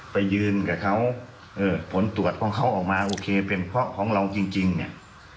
ไปยืนกับเขาผลตรวจของเขาออกมาโอเคเป็นเพราะของเราจริงเนี่ย